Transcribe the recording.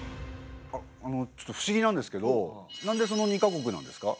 あのちょっと不思議なんですけどなんでその２か国なんですか？